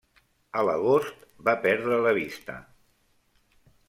A l'agost va perdre la vista.